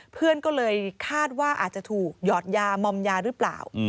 เพื่อนก็เลยคาดว่าอาจจะถูกหยอดยามอมยาหรือเปล่า